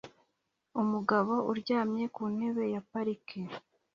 Umugabo uryamye ku ntebe ya parike